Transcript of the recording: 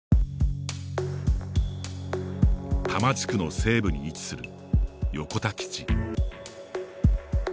多摩地区の西部に位置する横田基地。